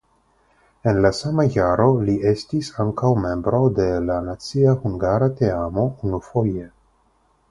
En la sama jaro li estis ankaŭ membro de la nacia hungara teamo unufoje.